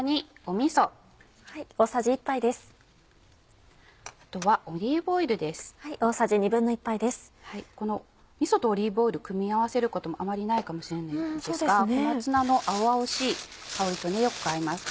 みそとオリーブオイル組み合わせることもあまりないかもしれないんですが小松菜の青々しい香りとよく合います。